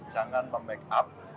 jangan memake up